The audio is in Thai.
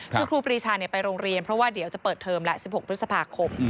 คือครูปรีชาไปโรงเรียนเพราะว่าเดี๋ยวจะเปิดเทอมแล้ว๑๖พฤษภาคม